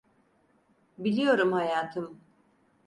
Biliyorum hayatım.